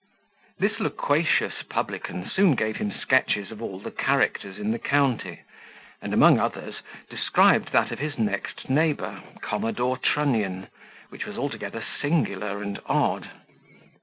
This loquacious publican soon gave him sketches of all the characters in the county; and, among others, described that of his next neighbour, Commodore Trunnion, which was altogether singular and odd.